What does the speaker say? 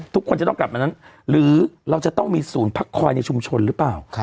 ทุกคนจะต้องกลับมานั้นหรือเราจะต้องมีศูนย์พักคอยในชุมชนหรือเปล่า